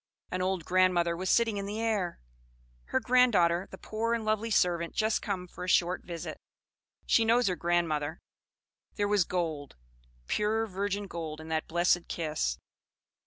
An old grandmother was sitting in the air; her grand daughter, the poor and lovely servant just come for a short visit. She knows her grandmother. There was gold, pure virgin gold in that blessed kiss.